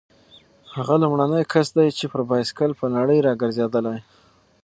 هغه لومړنی کس دی چې پر بایسکل په نړۍ راګرځېدلی.